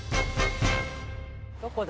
どこだ？